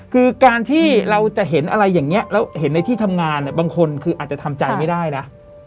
คือการที่เราจะเห็นอะไรอย่างนี้แล้วเห็นในที่ทำงานบางคนคืออาจจะทำใจไม่ได้นะ